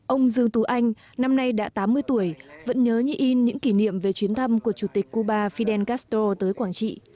ông dương tú anh năm nay đã tám mươi tuổi vẫn nhớ như in những kỷ niệm về chuyến thăm của chủ tịch cuba fidel castro tới quảng trị